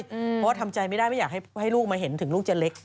เพราะว่าทำใจไม่ได้ไม่อยากให้ลูกมาเห็นถึงลูกเจ๊เล็ก